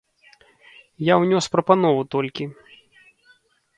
Я ўнёс прапанову толькі.